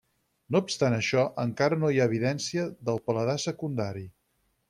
No obstant això, encara no hi ha evidència del paladar secundari.